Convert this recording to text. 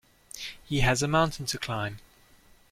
He has a mountain to climb